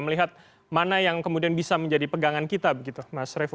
melihat mana yang kemudian bisa menjadi pegangan kita begitu mas revo